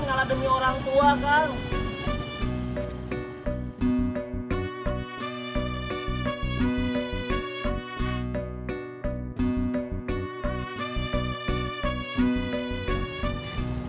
ngalah demi orang tua kang